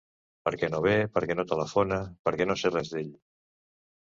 Per què no ve, per què no telefona, per què no sé res d'ell...